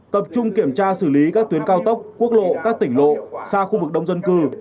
tập trung kiểm tra xử lý các tuyến cao tốc quốc lộ các tỉnh lộ xa khu vực đông dân cư